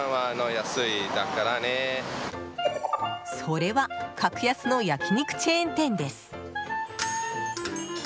それは格安の焼き肉チェーン店です。